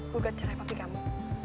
gugat cerai papi kamu